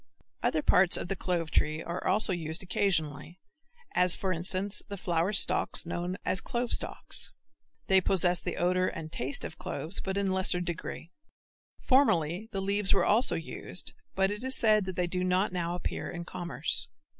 Other parts of the clove tree are also used occasionally, as for instance the flower stalks known as clove stalks. They possess the odor and taste of cloves but in a lesser degree. Formerly the leaves were also used but it is said that they do not now appear in commerce.